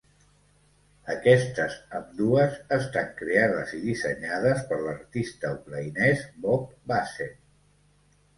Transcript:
Aquestes ambdues estan creades i dissenyades per l'artista ucraïnès Bob Basset.